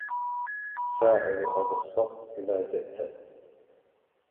سائل أبا الصقر إذا جئته